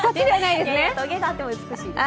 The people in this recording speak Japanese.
トゲがあっても美しいです。